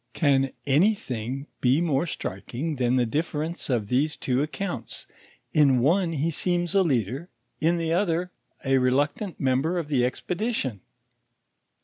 Can anything be more striking than the difference of these two accounts; in one he seems a leader, in the other, a reluctant member of the expedition?